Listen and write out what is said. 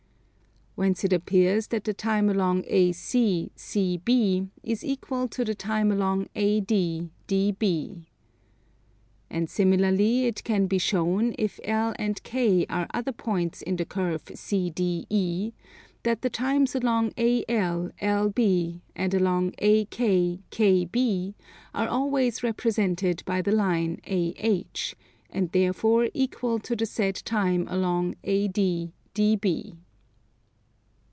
Whence it appears that the time along AC, CB, is equal to the time along AD, DB. And similarly it can be shown if L and K are other points in the curve CDE, that the times along AL, LB, and along AK, KB, are always represented by the line AH, and therefore equal to the said time along AD, DB.